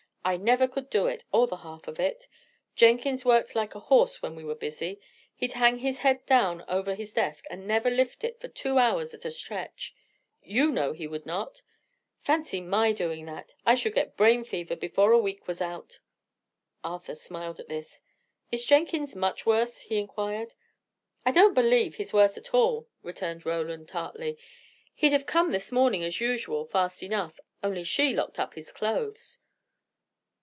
I never could do it, or the half of it. Jenkins worked like a horse when we were busy. He'd hang his head down over his desk, and never lift it for two hours at a stretch! you know he would not. Fancy my doing that! I should get brain fever before a week was out." Arthur smiled at this. "Is Jenkins much worse?" he inquired. "I don't believe he's worse at all," returned Roland, tartly. "He'd have come this morning, as usual, fast enough, only she locked up his clothes."